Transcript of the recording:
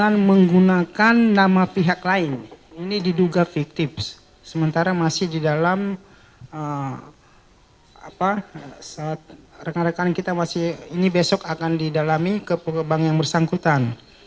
rekan rekan kita masih ini besok akan didalami ke pekebang yang bersangkutan